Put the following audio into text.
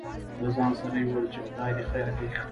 له ځان سره يې وويل :چې خداى دې خېر پېښ کړي.